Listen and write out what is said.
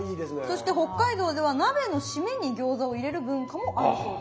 そして北海道では鍋の締めに餃子を入れる文化もあるそうです。